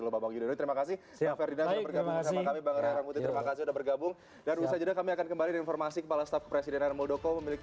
bapak gita duri terima kasih